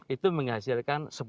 itu menghasilkan sepuluh ton